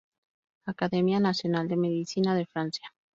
Academia Nacional de Medicina de Francia